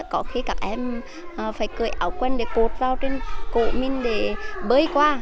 có khi các em phải cởi áo quen để cột vào trên cổ mình để bơi qua